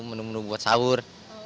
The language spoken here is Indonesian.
menu menu buat sahur